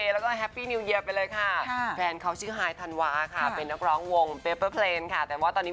แล้วเปิดด้วยภาพที่แบบอื้อหูตอนพบพี่คัตโต